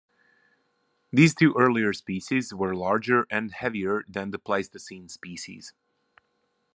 These two earlier species were larger and heavier than the Pleistocene species.